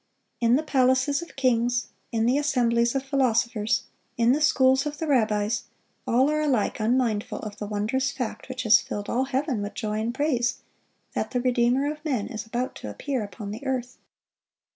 In the palaces of kings, in the assemblies of philosophers, in the schools of the rabbis, all are alike unmindful of the wondrous fact which has filled all heaven with joy and praise,—that the Redeemer of men is about to appear upon the earth.